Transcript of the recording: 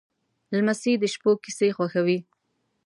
لمسی د شپو کیسې خوښوي.